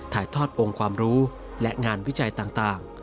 ถ่ายทอดองค์ความรู้และงานวิจัยต่าง